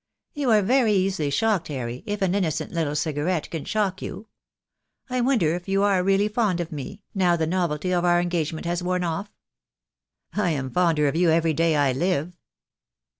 You are very easily shocked, Harry, if an innocent little cigarette can shock you. I wonder if you are really fond of me, now the novelty of our engagement has worn off?" "I am fonder of you every day I live."